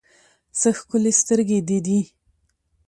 څه ښکلي سترګې دې دي